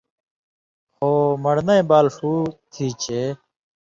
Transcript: خو من٘ڑنئ بال ݜُو تھی چے